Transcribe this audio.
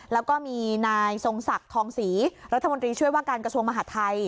แล้วก็มีนายทรงศักดิ์ทองศรีรัฐมนตรีช่วยว่าการกระทรวงมหาดไทย